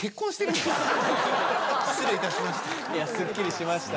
失礼いたしました。